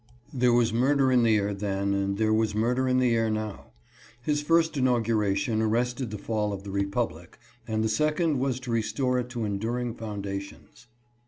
There was murder in the air then, and there was murder in the air now. His first inaugu ration arrested the fall of the Republic, and the second was to restore it to enduring foundations.